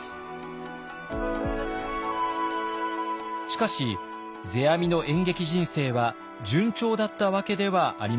しかし世阿弥の演劇人生は順調だったわけではありません。